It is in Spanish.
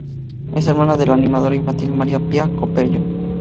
Es hermana de la animadora infantil María Pía Copello.